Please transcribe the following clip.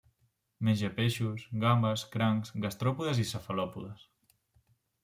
Menja peixos, gambes, crancs, gastròpodes i cefalòpodes.